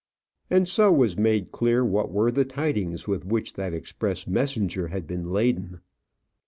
And so was made clear what were the tidings with which that express messenger had been laden.